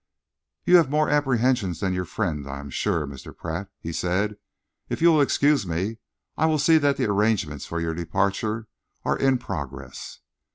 "You have more apprehension than your friend, I am sure, Mr. Pratt," he said. "If you will excuse me, I will see that the arrangements for your departure are in progress."...